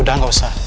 udah gak usah